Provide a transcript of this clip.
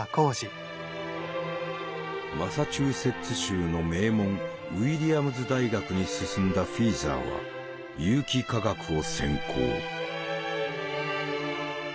マサチューセッツ州の名門ウィリアムズ大学に進んだフィーザーは有機化学を専攻。